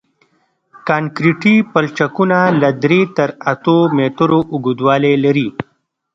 کانکریټي پلچکونه له درې تر اتو مترو اوږدوالی لري